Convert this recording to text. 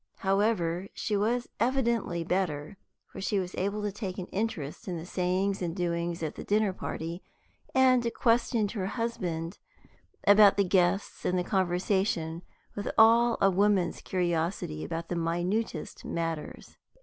However, she was evidently better, for she was able to take an interest in the sayings and doings at the dinner party, and questioned her husband about the guests and the conversation with all a woman's curiosity about the minutest matters.